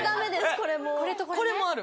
これもある。